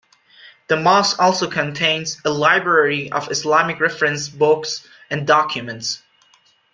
The mosque also contains a library of Islamic reference books and documents.